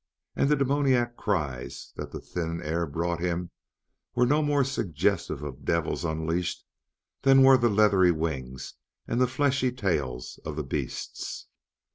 And the demoniac cries that the thin air brought him were no more suggestive of devils unleashed than were the leathery wings and the fleshy tails of the beasts.